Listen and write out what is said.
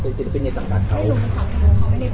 ถ้าไม่เซ็นแล้วติดภูมิของคนอื่นก็ต้องเซ็น